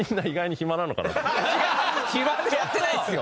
暇でやってないんですよ！